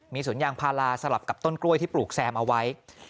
มีสวนยางพาราสลับกับต้นกล้วยที่ปลูกแซมเอาไว้